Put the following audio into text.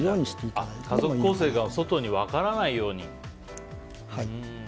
家族構成が外に分からないように。